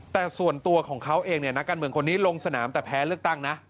แต่ส่วนตัวของเขาเองเนี่ยนักการเมืองคนนี้ลงสนามแต่แพ้เลือกตั้งนะ